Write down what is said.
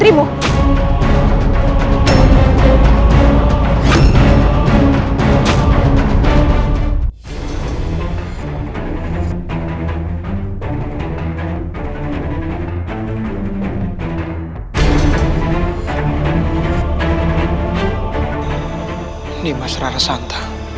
semoga kau selamat